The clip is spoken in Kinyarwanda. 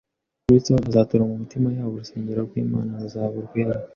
Kristo azatura mu mitima yabo. Urusengero rw’Imana ruzaba urwera.